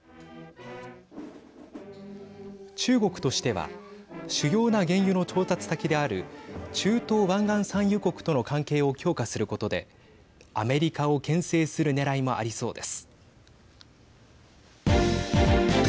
中国としては主要な原油の調達先である中東、湾岸産油国との関係を強化することでアメリカをけん制するねらいもありそうです。